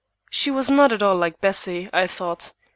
She was not at all like Bessie, I thought.